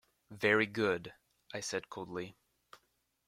"Very good," I said coldly.